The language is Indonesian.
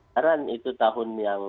karena itu tahun yang dua ribu dua puluh